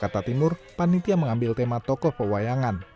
di jakarta timur panitia mengambil tema tokoh pawayangan